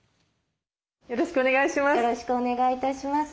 よろしくお願いします。